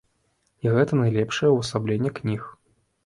І гэта найлепшае ўвасабленне кніг.